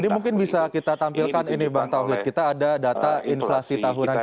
ini mungkin bisa kita tampilkan ini bang tauhid kita ada data inflasi tahunan kita